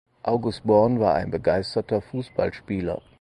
August Born war ein begeisterter Fußballspieler.